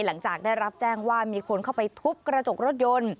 หลังจากได้รับแจ้งว่ามีคนเข้าไปทุบกระจกรถยนต์